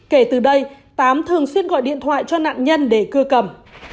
kể từ đây tám thường xuyên gọi điện thoại cho nạn nhân để cưa cầm